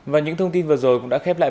và những thông tin vừa rồi cũng đã khép lại